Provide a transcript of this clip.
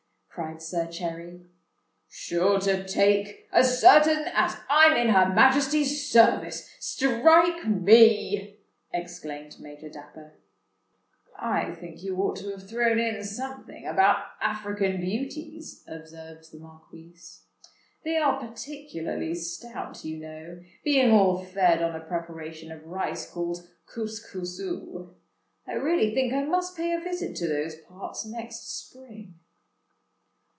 cried Sir Cherry. "Sure to take—as certain as I'm in Her Majesty's service—strike me!" exclaimed Major Dapper. "I think you ought to have thrown in something about African beauties," observed the Marquis: "they are particularly stout, you know, being all fed on a preparation of rice called couscousou. I really think I must pay a visit to those parts next spring."